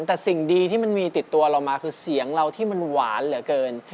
แต่สิ่งดีที่มันมีติดตัวเรามาคือเสียงเราที่มันหวานเหลือเกิน